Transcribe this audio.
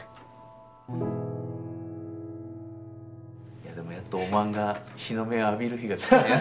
いやでもやっとおまんが日の目を浴びる日が来たんや。